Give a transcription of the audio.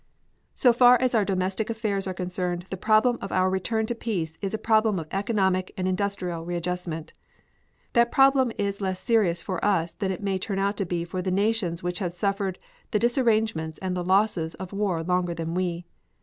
"So far as our domestic affairs are concerned the problem of our return to peace is a problem of economic and industrial readjustment. That problem is less serious for us than it may turn out to be for the nations which have suffered the disarrangements and the losses of war longer than we.